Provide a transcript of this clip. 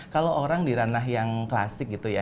kalau orang di ranah yang klasik gitu ya